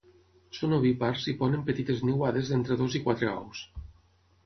Són ovípars i ponen petites niuades d'entre dos i quatre ous.